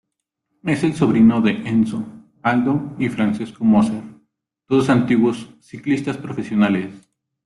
Es el sobrino de Enzo, Aldo y Francesco Moser, todos antiguos ciclistas profesionales.